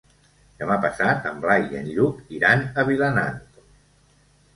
Demà passat en Blai i en Lluc iran a Vilanant.